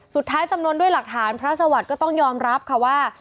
สุดท้ายสำน้นด้วยหลักฐานพระสวรรค์ก็ต้องยอมรับค่ะว่า